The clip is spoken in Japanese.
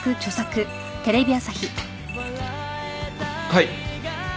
はい。